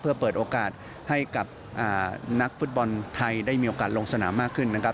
เพื่อเปิดโอกาสให้กับนักฟุตบอลไทยได้มีโอกาสลงสนามมากขึ้นนะครับ